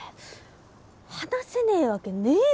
話せねえわけねえだろ！